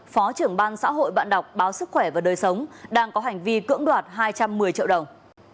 phó trưởng ban xã hội bạn đọc báo sức khỏe và đời sống đang có hành vi cưỡng đoạt hai trăm một mươi triệu đồng